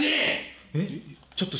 えっ？